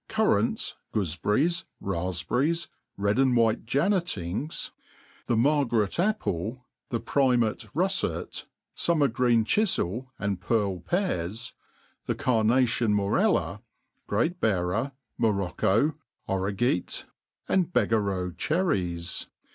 Currants, goofeberries, rafpberries, red and white jannatings, the Margaret apple, the primat rufiet, fum mer green chiird and pearl pears, the carnation morella, great bearer, Morocco, origeat, and beggareaux cherries.